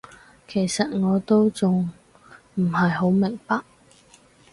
其實我都仲唔係好明白